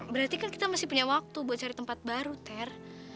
berarti kan kita masih punya waktu buat cari tempat baru ter